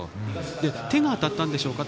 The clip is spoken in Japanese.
手が当たったんでしょうか？